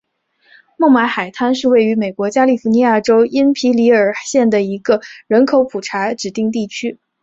孟买海滩是位于美国加利福尼亚州因皮里尔县的一个人口普查指定地区。